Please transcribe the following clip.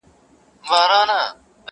د مورنۍ ژبي ورځ دي ټولو پښتنو ته مبارک وي.